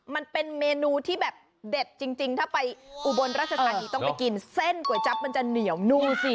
มันเป็นเมนูที่แบบเด็ดจริงถ้าไปอุบลราชธานีต้องไปกินเส้นก๋วยจั๊บมันจะเหนียวนุ่มสิ